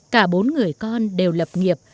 cả bốn người con đều lập nghiệp